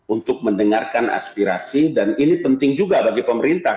untuk mendengarkan aspirasi dan ini penting juga bagi pemerintah